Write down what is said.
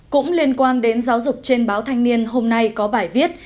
cũng liên quan đến giáo dục trên báo thanh niên hôm nay có bài viết